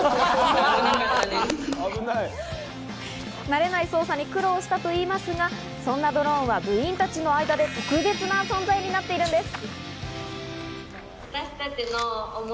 慣れない操作に苦労したといいますが、そんなドローンは部員たちの間で特別な存在になっているんです。